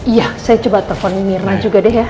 iya saya coba telepon mirna juga deh ya